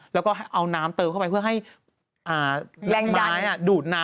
แล้วก็เอาน้ำเติมเข้าไปเพื่อให้แรงย้ายดูดน้ำ